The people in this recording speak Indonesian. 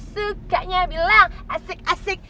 sukanya bilang asik asik